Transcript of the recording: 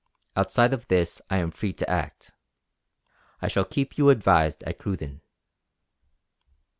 Outside of this I am free to act. I shall keep you advised at Cruden."